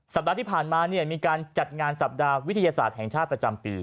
สัปดาห์ที่ผ่านมามีการจัดงานสัปดาห์วิทยาศาสตร์แห่งชาติประจำปี